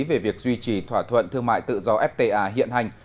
về việc duy trì thỏa thuận thương mại tự do fta hiện hành